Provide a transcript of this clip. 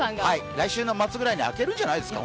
来週末くらいに本当に明けるんじゃないですか？